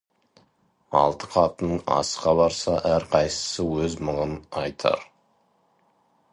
Алты қатын асқа барса, әрқайсысы өз мұңын айтар.